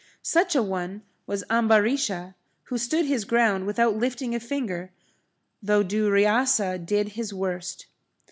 Such a one was Ambarisha, who stood his ground without lifting a finger though Duryasa did his worst.